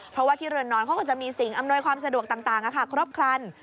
เพราะว่าที่เรือนนอนเขาก็จะมีสิ่งอำนวยความสะดวกต่างครบครัน